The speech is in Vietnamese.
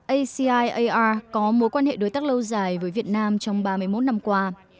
aci ar có mối quan hệ đối tác lâu dài với việt nam trong ba mươi một năm qua